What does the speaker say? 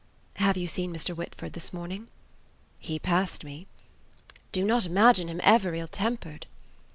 "Have you seen Mr. Whitford this morning?" "He passed me." "Do not imagine him ever ill tempered."